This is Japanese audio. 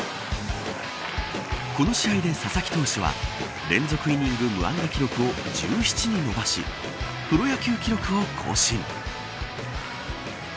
この試合で、佐々木投手は連続イニング無安打記録を１７にのばしプロ野球記録を更新。